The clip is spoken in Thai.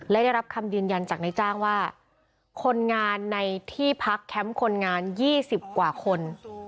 และได้รับคำยืนยันจากนายจ้างว่าคนงานในที่พักแคมป์คนงาน๒๐กว่าคน